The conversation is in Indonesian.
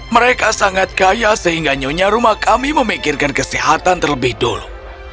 mereka sangat kaya sehingga nyonya rumah kami memikirkan kesehatan terlebih dulu